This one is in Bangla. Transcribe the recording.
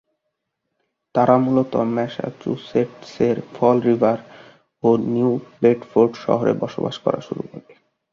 তারা মূলত ম্যাসাচুসেটসের ফল রিভার, ও নিউ বেডফোর্ড শহরে বসবাস করা শুরু করে।